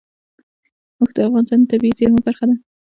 اوښ د افغانستان د طبیعي زیرمو برخه ده.